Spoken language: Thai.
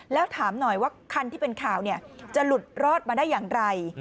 แล้วถามหน่อยว่าคันที่เป็นข่าวจะหลุดรอดมาได้อย่างไร